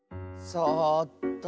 そっと。